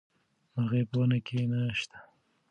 مرغۍ په ونه کې نه شته.